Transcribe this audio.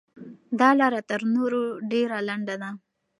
دا لاره تر نورو ډېره لنډه ده.